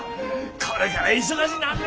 これから忙しなんで！